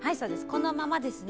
このままですね。